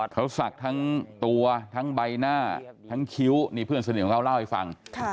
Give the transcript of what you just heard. เขาศักดิ์ทั้งตัวทั้งใบหน้าทั้งคิ้วนี่เพื่อนสนิทของเขาเล่าให้ฟัง